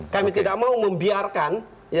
kami tidak mau membiarkan